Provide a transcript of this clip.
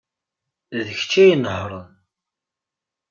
D kečč ay inehhṛen.